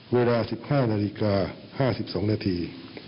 เวลา๑๕นาฬิกา๕๒นาที